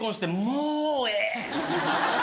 もうええ。